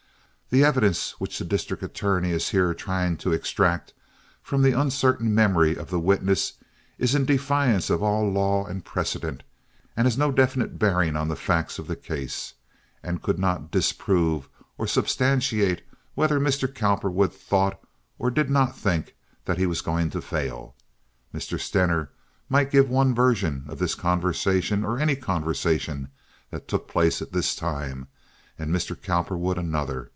The evidence which the district attorney is here trying to extract from the uncertain memory of the witness is in defiance of all law and precedent, and has no definite bearing on the facts of the case, and could not disprove or substantiate whether Mr. Cowperwood thought or did not think that he was going to fail. Mr. Stener might give one version of this conversation or any conversation that took place at this time, and Mr. Cowperwood another.